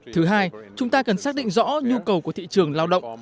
thứ hai chúng ta cần xác định rõ nhu cầu của thị trường lao động